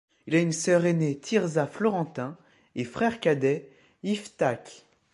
Il a une sœur ainée Tirza Florentin et frère cadet Yiftach.